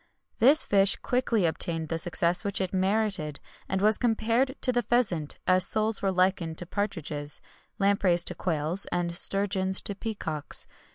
This fish quickly obtained the success which it merited, and was compared to the pheasant, as soles were likened to partridges, lampreys to quails, and sturgeons to peacocks.